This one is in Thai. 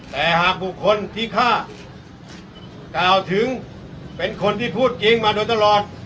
แต่หากบุคคลที่ฆ่ากล่าวถึงเป็นคนที่พูดจริงมาโดยตลอด